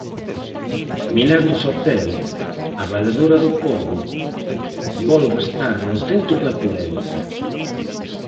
Milagros Otero, a valedora do Pobo, volve estar no centro da polémica.